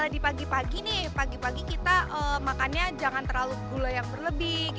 tapi pagi pagi kita makannya jangan terlalu gula yang berlebih